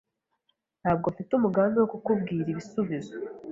Ntabwo mfite umugambi wo kukubwira ibisubizo.